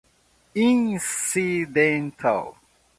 incidental